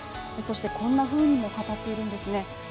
そして、こんなふうにも語っているんですね。